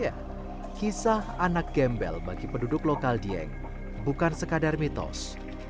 ya kisah anak gembel bagi penduduk lokal dieng bukan sekadar mitos